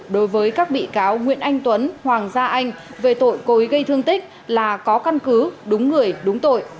đối với các bị cáo nguyễn anh tuấn hoàng gia anh về tội cố ý gây thương tích là có căn cứ đúng người đúng tội